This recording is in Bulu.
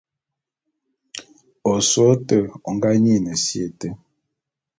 Osôé ôte ô ngá nyin si été.